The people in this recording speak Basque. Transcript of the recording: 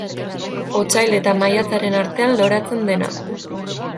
Otsail eta maiatzaren artean loratzen dena.